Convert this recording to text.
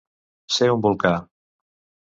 Ser un volcà.